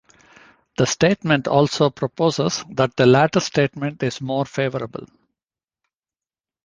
The statement also proposes that the latter statement is more favorable.